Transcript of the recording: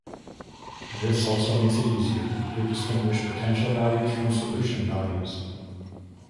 This also makes it easier to distinguish potential values from solution values.